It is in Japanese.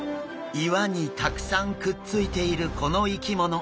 岩にたくさんくっついているこの生き物。